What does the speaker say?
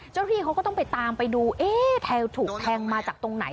เจ้าที่เขาก็ต้องไปตามไปดูแทงมาจากตรงไหน